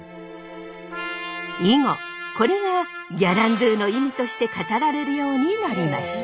以後これがギャランドゥの意味として語られるようになりました。